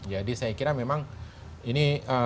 jadi saya kira memang ini